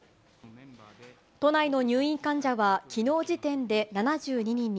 都内の入院患者はきのう時点で７２人に。